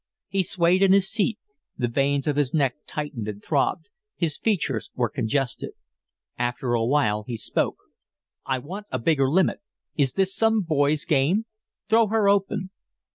He swayed in his seat, the veins of his neck thickened and throbbed, his features were congested. After a while he spoke. "I want a bigger limit. Is this some boy's game? Throw her open."